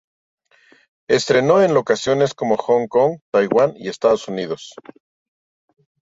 Entrenó en locaciones como Hong Kong, Taiwán y Estados Unidos.